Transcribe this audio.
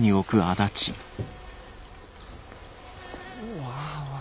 うわ。